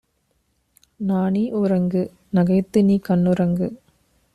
நாணி உறங்கு; நகைத்துநீ கண்ணுறங்கு!